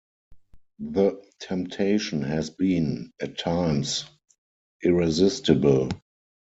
The temptation has been, at times, irresistible.